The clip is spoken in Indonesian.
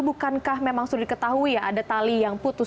bukankah memang sudah diketahui ya ada tali yang putus